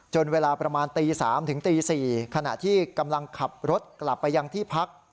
เวลาประมาณตี๓ถึงตี๔ขณะที่กำลังขับรถกลับไปยังที่พัก